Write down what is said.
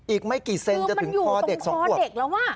อีกไม่กี่เซนจะถึงคอเด็ก๒ควบคือมันอยู่ตรงคอเด็กแล้วว่ะ